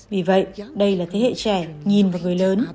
vì vậy đây là thế hệ trẻ nhìn vào người lớn